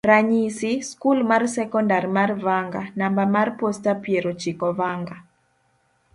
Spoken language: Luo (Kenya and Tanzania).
ranyisi, skul mar sekondar mar Vanga, namba mar posta, piero chiko Vanga